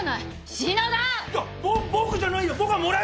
僕じゃないよ。